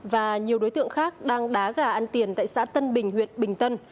và nhiều đối tượng khác đang đá gà ăn tiền tại xã tân bình huyện bình tân